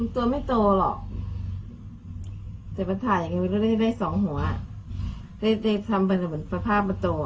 ตัวไม่โตหรอกจะไปถ่ายอย่างงี้ไม่ได้ได้ได้๒หัวความประจำแบบเราเหมือนสภาพมาตัว